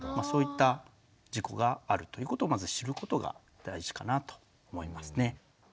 そういった事故があるということをまず知ることが大事かなと思いますね。